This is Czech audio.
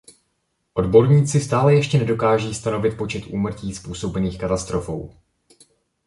Odborníci stále ještě nedokáží stanovit počet úmrtí způsobených katastrofou.